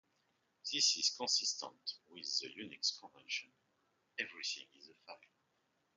This is consistent with the Unix convention "everything is a file".